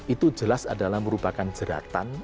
itu jelas adalah merupakan jeratan